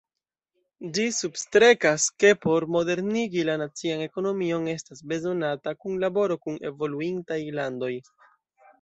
Ĝi substrekas, ke por modernigi la nacian ekonomion estas bezonata kunlaboro kun evoluintaj landoj.